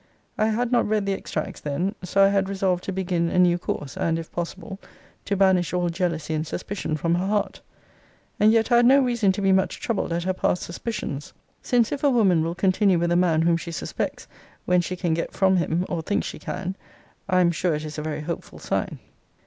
I had not read the extracts then; so I had resolved to begin a new course, and, if possible, to banish all jealousy and suspicion from her heart: and yet I had no reason to be much troubled at her past suspicions; since, if a woman will continue with a man whom she suspects, when she can get from him, or thinks she can, I am sure it is a very hopeful sign.